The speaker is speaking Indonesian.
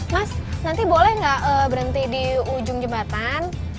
mas nanti boleh nggak berhenti di ujung jembatan